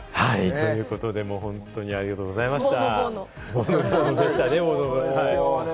ということでもう本当にありがとうございました。